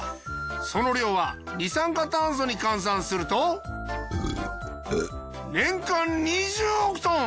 その量は二酸化炭素に換算すると年間２０億トン。